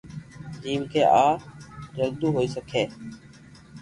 جيم ڪي آ جلدو ھوئي سڪي